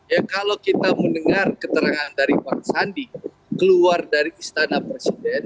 ya kalau kita mendengar keterangan dari bang sandi keluar dari istana presiden